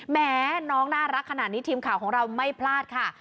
แม้น้องน่ารักขนาดนี้ทีมข่าวของเราไม่พลาดค่ะ